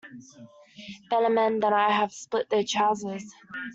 Better men than I have split their trousers.